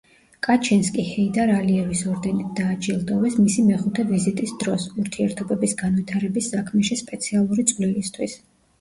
კაჩინსკი ჰეიდარ ალიევის ორდენით დააჯილდოვეს მისი მეხუთე ვიზიტის დროს, ურთიერთობების განვითარების საქმეში სპეციალური წვლილისთვის.